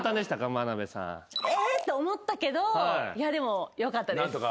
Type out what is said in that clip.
眞鍋さん。え？って思ったけどでもよかったです。